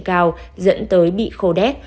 cao dẫn tới bị khô đét